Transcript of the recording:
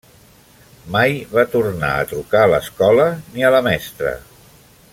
Mai va tornar a trucar a l'Escola ni a la mestra.